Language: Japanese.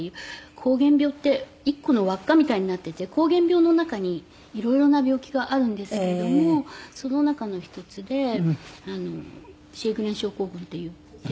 膠原病って１個の輪っかみたいになっていて膠原病の中に色々な病気があるんですけれどもその中の一つでシェーグレン症候群っていって。